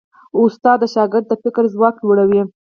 استاد د شاګرد د فکر ځواک لوړوي.